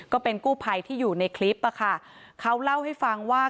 ก็เป็นกู้ภัยที่อยู่ในคลิปอะค่ะเขาเล่าให้ฟังว่า